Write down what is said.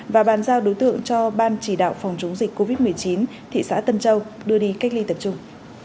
và bàn giao đối tượng cho ban chỉ đạo phòng chống dịch covid một mươi chín thị xã tân châu đưa đi cách ly tập trung